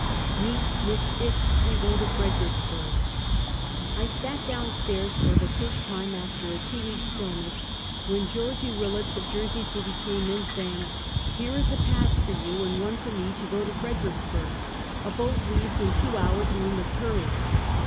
MEET MISS DIX AND GO TO FEEDEEICKSBUKG. I SAT down stairs, for the first time after a two weeks' illness, when Georgie "Willets, of Jersey City, came in, saying: " Here is a pass for yon and one for me, to go to Fredericksburg! A boat leaves in two hours, and we must hurry